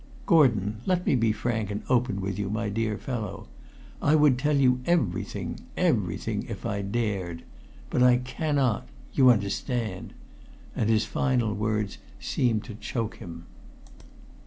"Gordon, let me be frank and open with you, my dear old fellow. I would tell you everything everything if I dared. But I cannot you understand!" And his final words seemed to choke him.